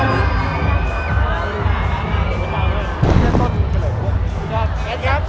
พี่ดอยครับ